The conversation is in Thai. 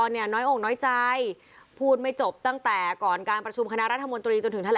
นายรัฐมนตรี